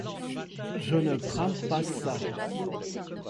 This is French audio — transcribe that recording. Je ne prends pas ça.